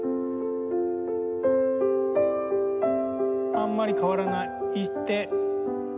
あんまり変わらない一定。